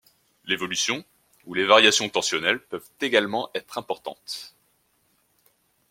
L'évolution ou les variations tensionnelles peuvent également être importantes.